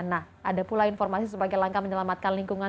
nah ada pula informasi sebagai langkah menyelamatkan lingkungan